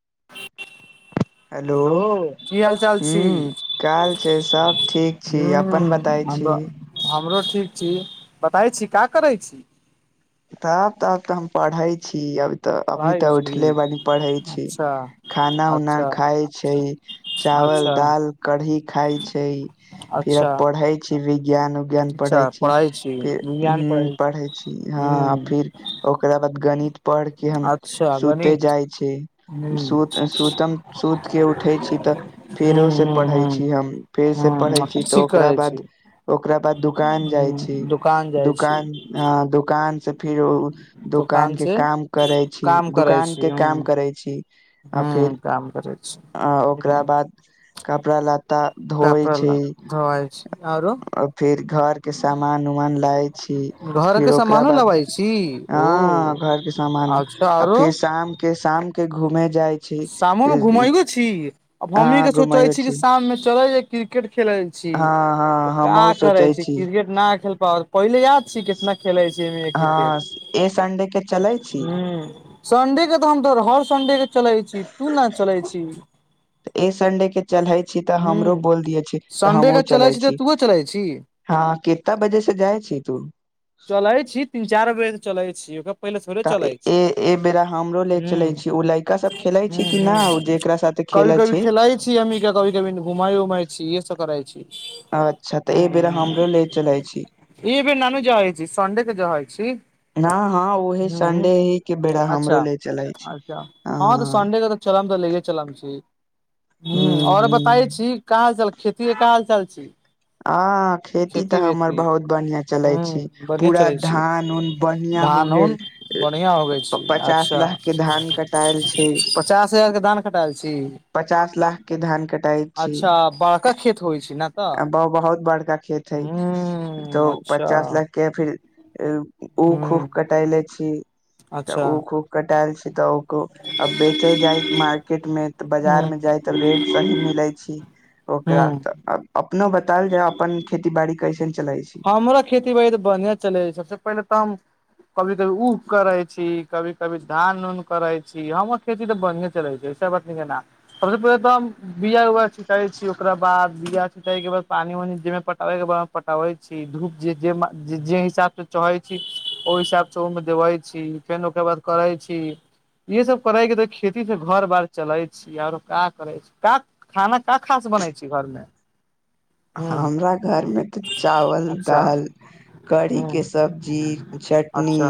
[inaudible] Hello की हाल चाल छी हूँ काल छै सब ठीक छी अपन हूँ बतै छी हमरो हमरो ठीक छी बताबे छी का करै छी तब तब तऽ हम पढ़ै छी अभ तऽ अभी पढ़ाइ तऽ छी उठले बनी पढ़ै छी अच्छा खाना उना अच्छा खाय छै चावल अच्छा दाल कढ़ी खाय छै फिर अब अच्छा पढ़े छी विज्ञान उज्ञान पढ़े अच्छा छी पढ़ै फिर विज्ञान पढ़ै पढ़े छी हँ हूँ फिर ओकरा बाद गणित पढ़ के हम अच्छा सुते गणित जाइ छि हूँ सुत सुतम सुत के उठै छि तऽ हूँ फेरो से हूँ पढ़ै हूँ छि हम फेर से पढ़ै हूँ छि तऽ ठीक ओकरा कहै छी बाद हूँ ओकरा बाद दुकान जाय छी दुकान जाइ छी दुकान दुकान से फिरो दोकान दुकान के से काम करै छी काम करै दुोकान छी के हूँ काम करै छी आ हूँ फेर काम करै छी आ ओकरा बाद कपड़ा लत्ता धोइ कपड़ा छी ल धोआइ आरो आ फिर घर के सामान उमान लाय छी घर फिर के ओकरा सामानो बाद लबै छी ओ हँ घरके समान सान अच्छा आ आरो फेर शाम के शाम के घूमेै जाइ छी शामो मे घुमैयो छी आब हमही हँ के सोचै घुमाइयो कि छी शाम मे चलै जे क्रिकेट खेलै छी हँ हँ का हमहुँ करे सोचै छी क्रिकेट न खेल पा पहिले याद छी कितना खेले छलीयै हँ ए संडे के क्रिकेट चलै छी हूँ संडे के तऽ हम तो हर संडे के चलै छी तू ने चलै छी तऽ ए संडे के चलै छी तऽ हूँ हमरो बोल दियै छी तऽ संडे के हमहूँ चलै तऽ छी तूहो चलै छी हँ केता बजे से जाइ छी तु चलैय छी तीन चारि बजे चलै छी ओकर पहिले थोड़े तऽ चलैइ ए ए बेरा हमरो ले छैइ हूं चले छी ओ लड़का सब खेले छी हूं कि न हूं जेकरा साथे कभी खेले कभी छी खेलइ छी हमनी के कभी कभी घुमई उमई छी एहे स करई छी अच्छा तऽ ऐ बेेर हमरो ले चलैइ छी जी सन्डे के जाई छी हां हां ओहे हूँ संडेही के बेड़ा हमरो अच्छा ले चलइछी हां ले के चलम छी ह हूँ आओर बताय हूँ छी क हाल खेती क हाल चाल छी हां खेती तऽ हमर बहुत बन्हिआ ह चलैइ छी बढ़िया पूरा चलै छी धान ऊन बढ़िया हो धान उन गेल बढ़िया होगै छी पचास अच्छा लाख के धान कट दायल छैइ पचास हजार के धान कटाएल छी पचास लाख के धान कटाई छी अच्छा बड़का खेत होइ छै ने तऽ आ बह बहुत बड़का खेत है त ह अच्छा पचास लाख के फिर ओ खूह ह कटएले छी तऽ ओ अच्छा खूह कटाएल छी तऽ ओ क बेचे जाय मार्केट में तऽ बजार ह में जाय त रेट सही मिलैइ छी ह ओकरा तऽ अपनो बतायल जाय अपन खेती बाड़ी कैसे हमरा खेती बाड़ी तऽ बढ़िआँ चलैइ हइ सबसे पहिले तऽ हम कभी कभी ऊख करै छी कभी कभी धान उन करै छी हमर खेती तऽ बढ़िया चलैइ छैइ सब सब से पहिले तऽ हम बीआ उआ छिटैइछी ओकरा बाद बीआ छिटै के बाद पानी उनी जेई में पटाबे के बा ओइ में पटाबैइ छी धूप जे हिसाब से चढ़ै छी ओहि हिसाबसे ओहिमे देबैइ छी फेर ओकर बाद करैइ छी इहे सब करै के त खेती से घर बार चलैछी आरो का करैइ छी का खाना का खा सक बनैइ छैइ घर में हमरा घरमे तऽ चावल अच्छा दाल कढ़ी के हूँ सब्जी चटनी अच्छा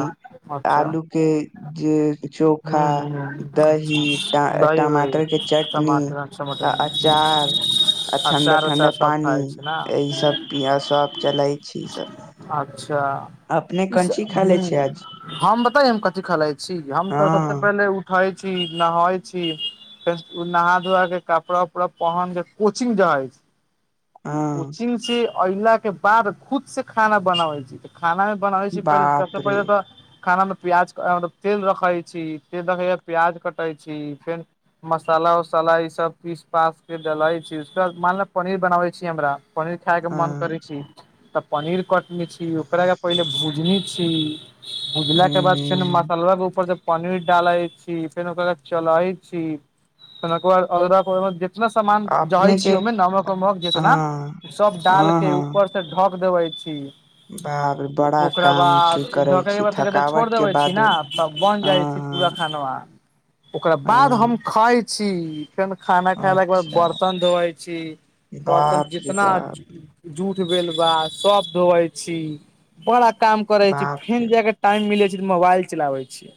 अच्छा आलू के जे हूँ चोखा हूँ दही अच्छा दही वही टमाटर के चटनी टमाटर टमाटर अचार आ ठंडा अचार ठंडा उचार सब पानी खाइ छै ने हूं एहि सब पिहसब चलैइ छी सब अच्छा अपने ईस कंची खा ले हूं छी आज हम बताइन कथी खेलइ छी हम तऽ हँ सबसे पहिले उठल उठैइ छी नहाइ छी फेर नहा धोआ के कपड़ा उपड़ा पहनक के कोचिंग जाई हँ कोचिंग से अइला के बाद खुद से खाना बनाबै छी खाना भी बनाबैइ छी पहिले बाप सबसे रे पहिले तऽ खाना में प्याज मलब तेल रखैइ छी तेल तनका प्याज कटैइ छी फेर मसाला उसाला ई सब पीस पास के डालैइ छी मान ल पनीर बनाबे हमरा पनीर खाय के मन हँ करैइ छी तँ पनीर कटनी छी ओकरा के पहिले भुजनी छी भुजला के बाद फेर मसाला के ऊपर जब पनीर डालै छी फेर ओकरा बाद चलैइ छी फेन ओकर बाद अगरम बगरम जतना सामान अपने जाइछी के ओहिमे नमक उमक जेतना हँ सब डाल हँ के हँ ऊपर से ढक क देबैइ छी बाप रे बड़ा ओकरा काम बाद छी करै ढके के छी बाद तनका देर छोड़ थकावट के देबे छी ना बादो तब बन जाइ छी पूरा हँ खानमा ओकरा बाद हम हँ खाइ छी फेन खाना हँ खयलाके बाद अच्छा बरतन धोइ छी बर्तन बाप रे जितना बाप जूठबेलवा सब धोवैइ छी बड़ा काम करैइ छी बाप फेन रे जाय बाप। के टाइम मिले मोबाइल चलाबै छियै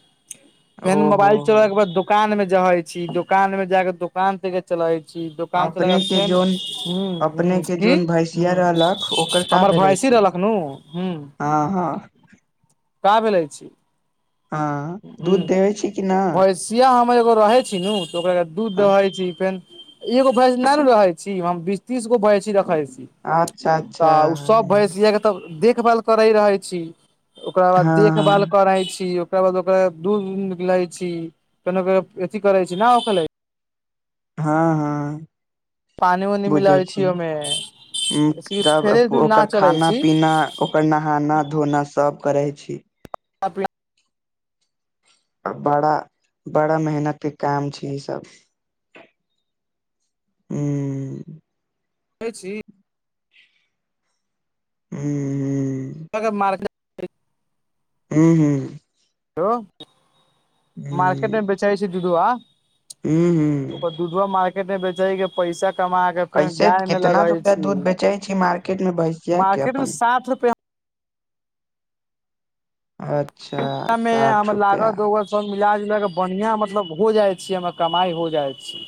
फेन ओ हो मोबाइल हो चलेला के बाद दोकान में जाइछी दोकान में जाके दोकान से के चलबैइ छी दोकान चला के अपने बाद फेन जोन हूं अपने हूं के की जोन हूं भैंसिया रहलक ओकर का हमर भैंसी रहलकनू हूं हां का बोलैइ छी हँ हूं दूध देबै छी कि न भैंसिया हमर एगो रहै छी न तऽ ओकरा दूध दहै छी फेर एगो भैंस न ने रहै छी हम बीस तीस गो भैंसी रखे छी अच्छा अच्छा तऽ ओ सब भैस य तऽ देख देखभाल करे रहै छी ओकरा बाद हँ देखभाल करै छी ओकरा बाद ओकरा दूध उध निकलाै छी केन क अथी करै छी न ओकरा लेल हँ हँ पानि उनी मिलाबै छियै ओहिमे उ जब फेरे दूध ना ओकर चलै खाना छी पीना ओकर नहाना धोना सब करे छी आ बड़ा बड़ा मेहनत के काम छै ईसभ हू कह छी हू हू त ग मार्केट हू हू हेलो मारकेट मे बेचाब छै दूधूआ हू हू केते बेचेे गै पैसा कमा के फेर कैसे गाय मे कितना लगै रुपआ छी दूध बेचै छी मार्केट में भैंसिया के मार्केट मे अपन साठ रुपआ आच मे लागल दोग सब मिल इलाज उल के बढ़िया मतलब हो जाइ छै हमर कमाई हो जाइ छी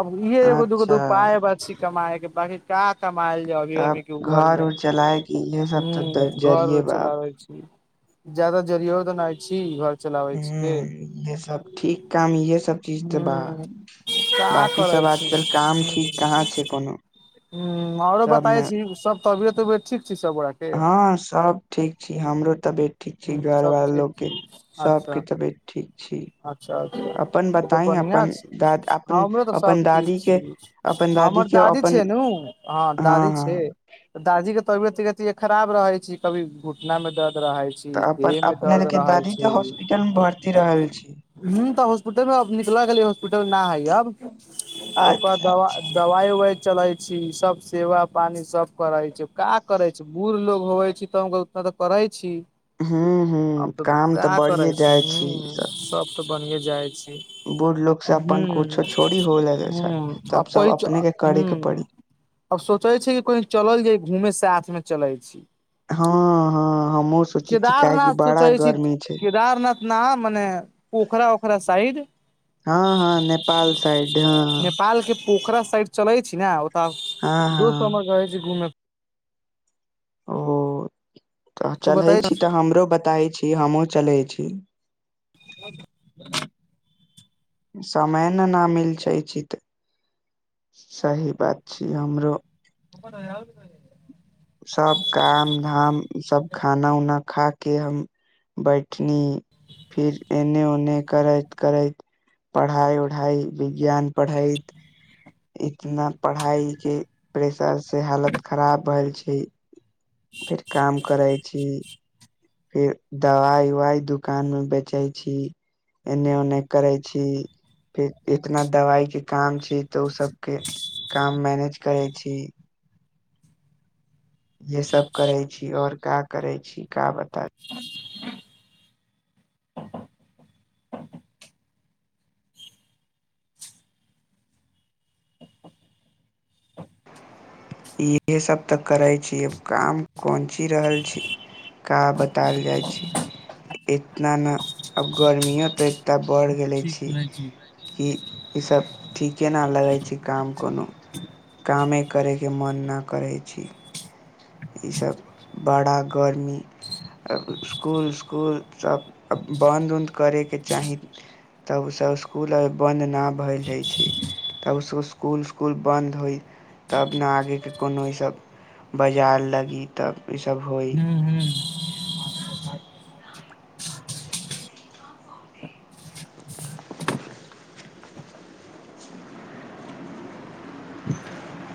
अब इे एगो दगो दू अच्छा उपाय बी कमाएके बाकी का कमायल जा अभी तब हमी के उमर घर मे उर चलाय के इहे सब तऽ ह जरिये घरर बा चलाबै छी जदाा जरियो तऽ नहि छी घर चलाबै छी के हूँ इहे सब ठीक काम इहे सब चीज तऽ ह बा ह का बाकी करै सब छी आजकल काम ह ठीक कहाँ छै कोनो ह आओरो सबमे बताय छी सब तबियत उबियत ठीक छी सब गोरा के हँ सब ठीक छी हमरो तबियत ठीक छी हूँ सब घरवाल ठीक लोको के छी सबके अच्छा तबियत ठीक छी अच्छा अच्छा अपन से तऽ बताई बढ़िआँ अपन छी दाद अपन हमरो तऽ सब अपन ठीक दादी छी के अपन हमरो हमर के दादी अपन छै न हँ दादी छै दादी के तबियत क कति खराब रहे छै कभी घुटना में दर्द रहै तऽ छी अपन देह मे अपने दर्द के रहै दादी छी तऽ हॉस्पिटल मे भर्ती रहल छी ह तऽ हॉस्पिटल मे निकल गेलै हॉस्पिटल न है अब ओकरा अच्छा दवा अच्छा दवाइ उवाइ चलै छी सब सेवा पानी सब करै छै का करै छै बुढ़ लोग होवै छै तऽ तऽ करै छी हू हू आब तऽ काम क्य करै बढ़िए छी जाइ ह सब तऽ बने जाइ छी बूढ़ लोग ह से अपन कुछो छोड़ी होल ह आ सब सब कहि अपने के ह करे के पड़ी अब सोचै छै कि कह चलल जाय घूमे साथ मे चलै छी हँ हँ हमहु केदारनाथ सोचै छी केदारनाथ ना मने पोखरा ओखरा साइड हँ हँ नेपाल साइड हँ हँ नेपाल के पोखरा साइड चलै छी न ओत दोस हँ हमर रहै छी घुम ओ तऽ तू चलै बताय छी तऽ हमरो बता छी हमहूँ चलै छी समय ने न मिल छै त सही बात छी हमरो [unintelligible] सब काम धाम सब खाना उना खा के हम बैठ नि फिर एने उने ने करैत करैत पढ़ाई उढ़ाई विज्ञान पढ़ैत इतना पढ़ाई के प्रेशर से हालत खराब भेल छै फेर काम करै छी फेर दवाइ उवाइ दुकान मे बेचै छी एन्ने ओने करै छी फेर इतना दवाइ के काम छै तऽ ओ सबके काम मैनेज करै छी ये सभ करै छी आ ओर क्या करै छी का बताइ इहसभ तऽ करैत छी काम कोन ची रहल छी का बतायल जाइ छै इतना ने अब गर्मियो तऽ इतना पढ़ि गेले ठीक छी बनै कि ई सब ठीके न लगै छै काम कोनो कामे करे के मन नहि करै छी ईसभ बड़ा गर्मी अब स्कूल इसकुल सभ बन्द उन्द करयके चाही तब ओसभ स्कूल अभ बन्द नहि भै जाइ छै तब उस स्कुल उस्कुल बंन्द होइ तब ने आगेके कोनो ईसभ ल त सब हो [unintelligible] [inaudible]